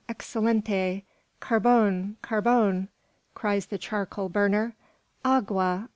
excellente!" "Carbon! carbon!" cries the charcoal burner. "Agua!